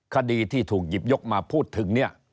คดีที่ถูกหยิบยกมาพูดถึงเนี่ย